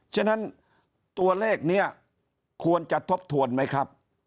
ฉะนั้นตัวเลขนี้ควรจะทบทวนไหมครับ